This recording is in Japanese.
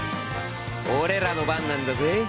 俺らの番なんだぜ。